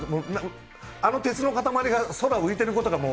あの鉄の塊が空浮いてることが、もう。